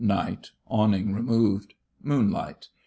Night. Awning removed. Moonlight.